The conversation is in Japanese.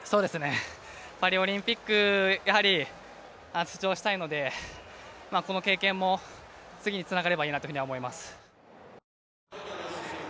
パリオリンピック、やはり出場したいのでこの経験も次につながればいいなというふうに思います。